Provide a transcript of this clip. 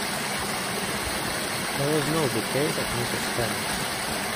There was no bookcase at Mrs. Hammond’s.